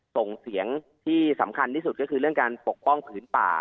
ส่งเสียงที่สำคัญที่สุดก็คือเรื่องการปกป้องผืนป่า